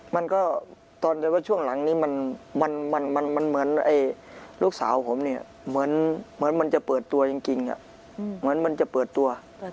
มันก็ตอนแบบว่าช่วงหลังนี้มันเหมือนลูกสาวผมเนี่ยเหมือนมันจะเปิดตัวจริงเหมือนมันจะเปิดตัว